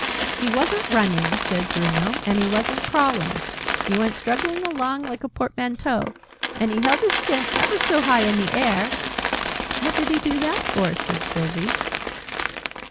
"He wasn't running," said Bruno, "and he wasn't crawling. He went struggling along like a portmanteau. And he held his chin ever so high in the air " "What did he do that for?" said Sylvie.